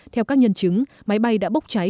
theo các nhân chứng máy bay đã bốc cháy